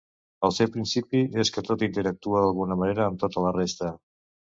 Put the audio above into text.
El seu principi és que tot interactua d'alguna manera amb tota la resta.